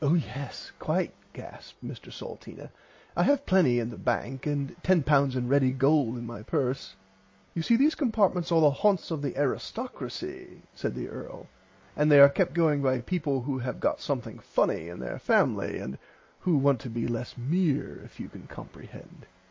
Oh yes quite gasped Mr Salteena I have plenty in the bank and £10 in ready gold in my purse. [Pg 56] You see these compartments are the haunts of the Aristockracy said the earl and they are kept going by peaple who have got something funny in their family and who want to be less mere if you can comprehend.